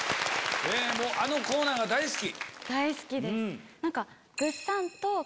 あのコーナーが大好き。